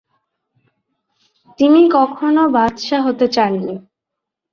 তিনি কখনো বাদশাহ হতে চাননি।